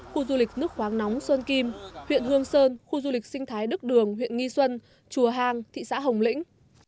khu du lịch nước khoáng nóng sơn kim huyện hương sơn khu du lịch sinh thái đức đường huyện nghi xuân chùa hàng thị xã hồng lĩnh